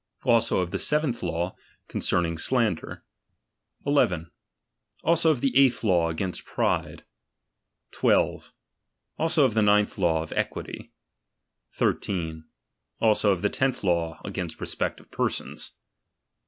Also of the seventh law, concerning slander. 1 1. Also of the eighth law.against pride. 12. Also of the ninth law, of equity. 13. Also of the tenth law, against respect of persons.